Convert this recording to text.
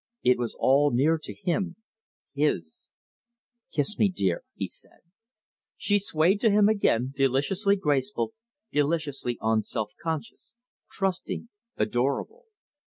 It was all near to him; his. "Kiss me, dear," he said. She swayed to him again, deliciously graceful, deliciously unselfconscious, trusting, adorable.